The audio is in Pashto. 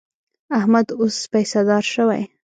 احمد اوس پیسهدار شوی.